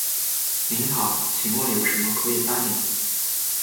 您好，请问有什么可以帮您？